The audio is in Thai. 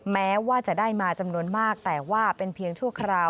แม้ว่าจะได้มาจำนวนมากแต่ว่าเป็นเพียงชั่วคราว